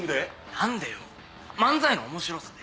何でよ漫才の面白さで。